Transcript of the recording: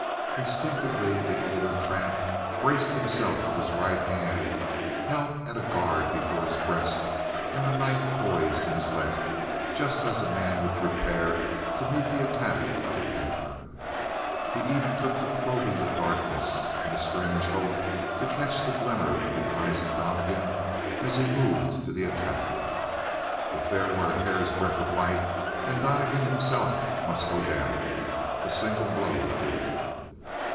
Instinctively the older tramp braced himself with his right hand held at a guard before his breast and the knife poised in his left, just as a man would prepare to meet the attack of a panther. He even took to probing the darkness in a strange hope to catch the glimmer of the eyes of Donnegan as he moved to the attack. If there were a hair's breadth of light, then Donnegan himself must go down. A single blow would do it.